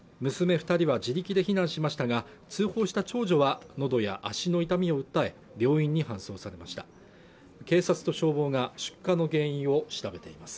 二人は自力で避難しましたが通報した長女は喉や足の痛みを訴え病院に搬送されました警察と消防が出火の原因を調べています